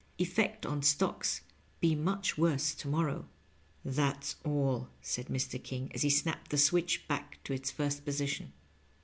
Effect on stocks be mnch worse to morrow.'' " That's all," said Mr. King, as he snapped the switch back to its first position.